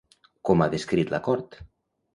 Com ha descrit l'acord?